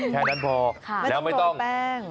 แค่นั้นพอแล้วไม่ต้องแป้ง